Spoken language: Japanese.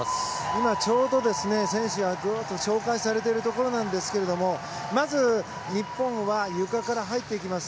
今、ちょうど選手が紹介されているところですがまず、日本はゆかから入っていきます。